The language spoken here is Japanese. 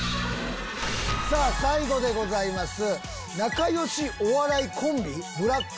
さぁ最後でございます。